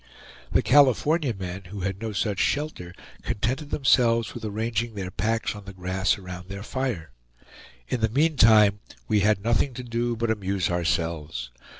The California men, who had no such shelter, contented themselves with arranging their packs on the grass around their fire. In the meantime we had nothing to do but amuse ourselves.